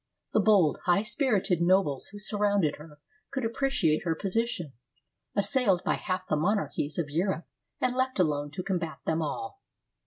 The bold, high spirited nobles who surrounded her could appreciate her position, as sailed by half the monarchies of Europe, and left alone to combat them all.